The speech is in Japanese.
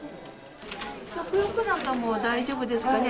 食欲なんかも大丈夫ですかね？